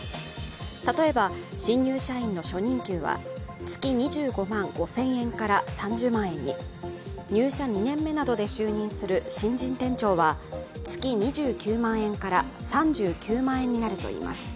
例えば新入社員の初任給は月２５万５０００円から３０万円に、入社２年目などで就任する新人店長は月２９万円から３９万円になるといいます。